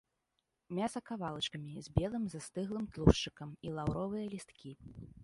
Мяса кавалачкамі, з белым застыглым тлушчыкам, і лаўровыя лісткі.